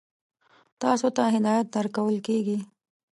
تاسو ته هدایت درکول کېږي.